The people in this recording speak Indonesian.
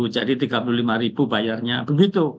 jadi rp tiga puluh lima bayarnya begitu